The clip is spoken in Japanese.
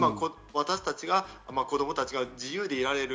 私たちが子供たちが自由でいられる。